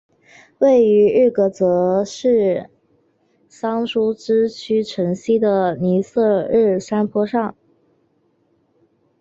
位于日喀则市桑珠孜区城西的尼色日山坡上。